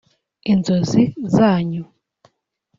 inzozi zanyu